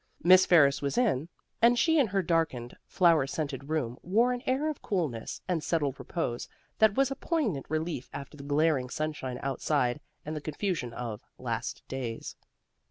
Miss Ferris was in, and she and her darkened, flower scented room wore an air of coolness and settled repose that was a poignant relief after the glaring sunshine outside and the confusion of "last days."